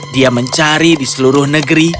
dia mencari di seluruh negeri